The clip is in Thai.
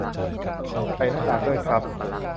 ใส่หน้ากากด้วยครับ